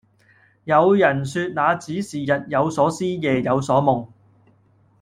有人說那只是日有所思夜有所夢